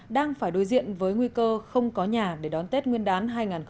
đang phải đối diện với nguy cơ không có nhà để đón tết nguyên đán hai nghìn hai mươi